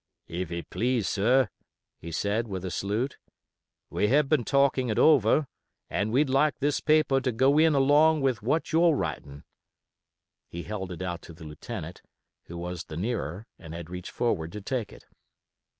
"If you please, sir," he said, with a salute, "we have been talking it over, and we'd like this paper to go in along with that you're writing." He held it out to the lieutenant, who was the nearer and had reached forward to take it.